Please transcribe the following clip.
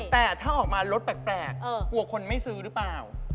แต่ถ้าออกมารสแปลกกลัวคนไม่ซื้อหรือเปล่า